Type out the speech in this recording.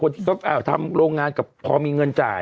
ทำโรงงานก็พอมีเงินจ่าย